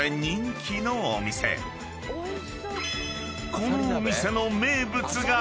［このお店の名物が］